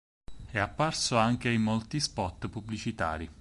È apparso anche in molti spot pubblicitari.